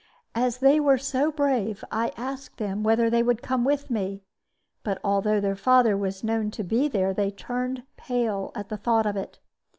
As they were so brave, I asked them whether they would come with me; but although their father was known to be there, they turned pale at the thought of it.